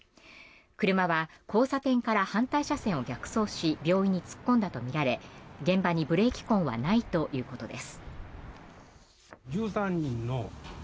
車は交差点から反対車線を逆走し病院に突っ込んだとみられ現場にブレーキ痕はないということです。